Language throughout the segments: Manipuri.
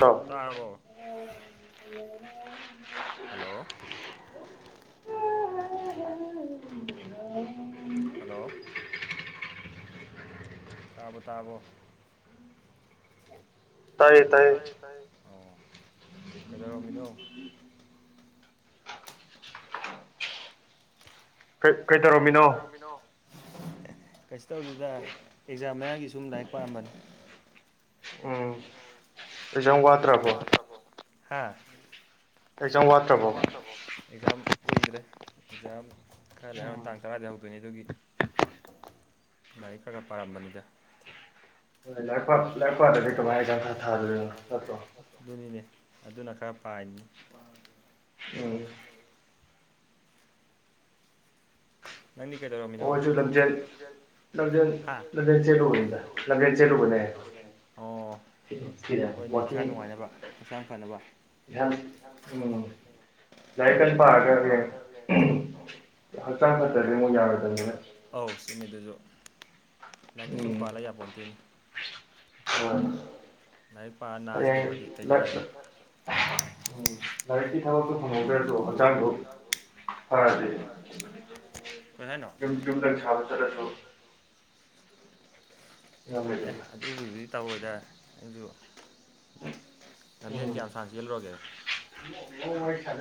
ꯑꯣ ꯇꯥꯔꯕꯣ ꯍꯜꯂꯣ ꯍꯜꯂꯣ ꯇꯥꯔꯕꯣ ꯇꯥꯔꯕꯣ ꯇꯥꯏꯌꯦ ꯇꯥꯏꯌꯦ ꯑꯣ ꯀꯩꯗꯧꯔꯝꯃꯤꯅꯣ ꯀꯩ ꯀꯩꯗꯧꯔꯝꯃꯤꯅꯣ ꯃꯤꯅꯣ ꯀꯩꯁꯨ ꯇꯧꯗ‌ꯦꯗ ꯑꯦꯛꯖꯥꯝ ꯃꯌꯥꯒꯤ ꯁꯨꯝ ꯂꯥꯏꯔꯤꯛ ꯄꯥꯔꯝꯕꯅꯤ ꯎꯝ ꯑꯦꯛꯖꯥꯝ ꯋꯥꯠꯇ꯭ꯔꯥꯕꯣ ꯍꯥ ꯑꯦꯛꯖꯥꯝ ꯋꯥꯠꯇ꯭ꯔꯥꯕꯣ ꯑꯦꯛꯖꯥꯝ ꯀꯨꯏꯗ꯭ꯔꯦ ꯑꯦꯛꯖꯥꯝ ꯈꯔ ꯂꯩꯔ ꯇꯥꯡ ꯇꯔꯥꯗꯩ ꯍꯧꯗꯣꯏꯅꯦ ꯑꯗꯨꯒꯤ ꯂꯥꯏꯔꯤꯛ ꯈꯔ ꯈꯔ ꯄꯥꯔꯝꯕꯅꯤꯗ ꯂꯥꯏꯔꯤꯛ ꯄꯥ ꯂꯥꯏꯔꯤꯛ ꯄꯥꯗ꯭ꯔꯗꯤ ꯀꯃꯥꯏ ꯑꯦꯛꯖꯥꯝ ꯊꯥꯗꯣꯏꯅ‌ꯣ ꯅꯠꯇ꯭ꯔꯣ ꯑꯗꯨꯅꯤꯅꯦ ꯑꯗꯨꯅ ꯈꯔ ꯄꯥꯔꯤꯅꯤ ꯎꯝ ꯅꯪꯗꯤ ꯀꯩꯗꯧꯔꯝꯃꯤꯅꯣ [unintelligible] ꯍꯥ ꯂꯝꯖꯦꯟ ꯆꯦꯜꯂꯨꯕꯅꯦ ꯂꯝꯖ‌ꯦꯜ ꯆ‌ꯦꯜꯂꯨꯕꯅ‌ꯦ ꯑꯣ ꯍꯣꯏꯅꯦ ꯏꯁꯥ ꯅꯨꯡꯉꯥꯏꯅꯕ ꯍꯛꯆꯥꯡ ꯐꯅꯕ ꯌꯥꯝ ꯎꯝ ꯂꯥꯏꯔꯤꯛ ꯀꯟ ꯄꯥꯔꯒ ꯍꯌꯦꯡ ꯍꯛꯆꯥꯡ [unintelligible] ꯑꯃꯨꯛ ꯌꯥꯔꯣꯢ ꯑꯧ ꯆꯨꯝꯃꯤꯗꯗꯨꯁꯨ ꯂꯥꯏꯔꯤꯛꯇ ꯁꯨꯝ ꯄꯥ ꯂꯩ ꯌꯥꯄꯣꯟꯇꯦꯅꯦ ꯑꯥ ꯂꯥꯏꯔꯤꯛ ꯄꯥꯔ ꯅꯥꯔ ꯁꯤꯗꯣꯛꯈ꯭ꯔꯗꯤ ꯀꯩ ꯀꯥꯟꯅꯅꯤ ꯎꯝ ꯂꯥꯏꯔꯤꯛꯀꯤ ꯊꯕꯛꯇꯣ ꯐꯪꯍꯧꯗꯔꯁꯨ ꯍꯛꯆꯥꯡꯗꯣ ꯐꯔꯗꯤ ꯀꯩ ꯍꯥꯏꯅꯣ ꯌꯨꯝꯇꯪ ꯁꯥꯕ ꯆꯠꯂꯁꯨ [unintelligible] ꯑꯦ ꯑꯗꯨꯒꯤꯕꯨꯗꯤ ꯇꯧꯔꯣꯏꯗ ꯅꯪꯖꯨ ꯂꯝꯖꯦꯜ ꯀꯌꯥꯝ ꯁꯥꯡꯅ ꯆꯦꯜꯂꯨꯔꯒꯦ [unintelligible] [unintelligible] ꯀꯤꯂꯣꯃꯤꯆꯔ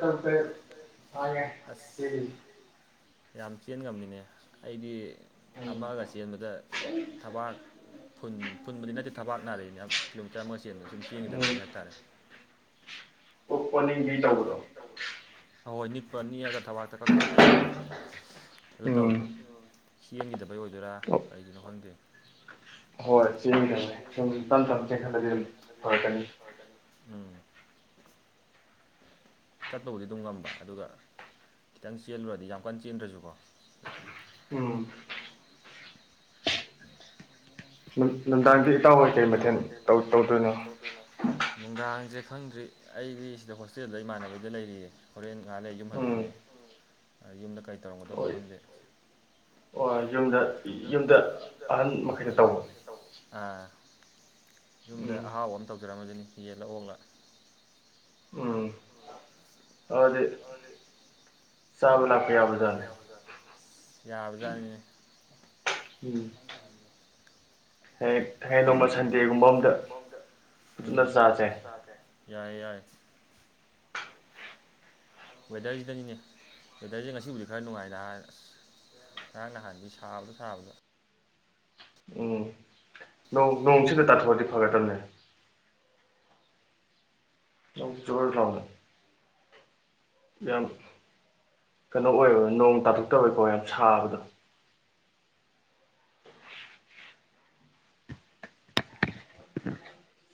ꯇꯔꯨꯛ ꯇꯔꯦꯠ ꯁꯥꯡꯉꯦ ꯆꯦꯜꯂꯤ ꯌꯥꯝ ꯆꯦꯟ ꯉꯝꯃꯤꯅꯦ ꯑꯩꯗꯤ ꯑꯃꯒ ꯆꯦꯟꯕꯗ ꯊꯕꯛ ꯐꯨꯟ ꯐꯨꯟꯕꯗꯤ ꯅꯠꯇꯦ ꯊꯕꯛ ꯅꯥꯔꯛꯏꯅꯦ ꯀꯤꯂꯣꯃꯤꯇꯔ ꯑꯃ ꯆꯦꯟꯕꯁꯦ ꯁꯨꯝ ꯆꯦꯟꯈꯤꯗꯕꯒꯤ ꯍꯥꯏꯇꯥꯔꯦ ꯄꯨꯛ ꯑꯣꯅꯤꯡꯕꯤ ꯇꯧꯕꯗꯣ ꯍꯣ ꯍꯣꯏ ꯅꯤꯛꯄ ꯅꯤꯛꯑꯒ ꯊꯕꯛꯇ ꯀꯛ ꯀꯛ ꯊꯤꯟꯕꯗꯣ ꯑꯗꯨ ꯇꯧꯋꯦꯕ ꯆꯦꯟꯒꯤꯗꯕꯩ ꯑꯣꯏꯗꯣꯏꯔꯥ ꯀꯩꯒꯤꯅꯣ ꯈꯪꯗꯦ ꯍꯣꯏ ꯆꯦꯟꯒꯤꯗꯕꯩꯅꯦ ꯁꯨꯝ ꯇꯝ ꯇꯝ ꯆꯦꯟꯈꯠꯂꯗꯤ ꯑꯗꯨꯝ ꯐꯔꯛꯀꯅꯤ ꯐꯔꯛꯀꯅꯤ ꯎꯝ ꯆꯠꯄꯕꯨꯗꯤ ꯑꯗꯨꯝ ꯉꯝꯕ ꯑꯗꯨꯒ ꯈꯤꯇꯪ ꯆꯦꯜꯂꯨꯔꯗꯤ ꯌꯥꯝ ꯀꯟꯅ ꯆꯦꯟꯗ꯭ꯔꯁꯨꯀꯣ ꯎꯝ ꯅꯨꯡꯗꯥꯡꯗꯤ ꯏꯇꯥꯎ ꯍꯣꯏ ꯀꯩ ꯃꯊꯦꯜ ꯇꯧ ꯇꯧꯗꯣꯏꯅꯣ ꯅꯨꯡꯗꯥꯡꯁꯦ ꯈꯪꯗ꯭ꯔꯤ ꯑꯩꯗꯤ ꯁꯤꯗ ꯍꯣꯁꯇꯦꯜꯗ ꯏꯃꯥꯟꯅꯕꯩꯗ ꯂꯩꯔꯤꯌꯦ ꯍꯣꯔꯦꯟ ꯉꯥꯍꯥꯛ ꯂꯩꯔ ꯌꯨꯝ ꯍꯟꯗꯣꯏꯅꯦ ꯑ ꯌꯨꯝꯗ ꯀꯔꯤ ꯇꯧꯔꯝꯒꯗꯕꯅꯣ ꯈꯪꯗꯦ ꯍꯣꯏ ꯌꯨꯝꯗ ꯌꯨꯝꯗ ꯑꯍꯟ ꯃꯈꯩꯅ ꯇꯧꯕ ꯑꯥ ꯌꯨꯝꯗ ꯑꯍꯥꯎꯕ ꯑꯃ ꯇꯧꯖꯔꯝꯖꯅꯤ ꯌꯦꯟꯂꯥ ꯑꯣꯛꯂꯥ ꯎꯝ ꯑꯗꯤ ꯆꯥꯕ ꯂꯛꯄꯥ ꯌꯥꯕ ꯖꯠꯅꯤ ꯌꯥꯕ ꯖꯥꯠꯅꯤꯅꯦ [unintelligible] [unintelligible] ꯒꯨꯝꯕ ꯁꯟꯗꯦꯒꯨꯝꯕ ꯑꯝꯗ ꯎꯝ ꯑꯝꯗ ꯆꯥꯖꯦ ꯌꯥꯏꯌꯦ ꯌꯥꯏꯌꯦ ꯋꯦꯗꯔꯁꯤꯗꯅꯤꯅꯦ ꯋꯦꯗꯔꯁꯤ ꯉꯁꯤꯕꯨꯗꯤ ꯈꯔ ꯅꯨꯡꯉꯥꯏꯅ ꯅꯍꯥꯟ ꯑꯁ ꯉꯔꯥꯡ ꯅꯍꯥꯟꯗꯤ ꯁꯥꯕꯗ ꯁꯥꯕꯗ ꯎꯝ ꯅꯣꯡ ꯅꯣꯡꯁꯤꯒ ꯇꯥꯊꯣꯛꯑꯗꯤ ꯐꯒꯗꯕꯅꯦ ꯅꯣꯡ ꯖ꯭ꯔꯣ ꯂꯥꯎꯅ ꯌꯥꯝ ꯀꯩꯅꯣ ꯑꯣꯏꯕ ꯅꯣꯡ ꯇꯥꯊꯣꯛꯇꯕꯩ ꯀꯣ ꯌꯥꯝ ꯁꯥꯕꯗꯣ [unintelligible]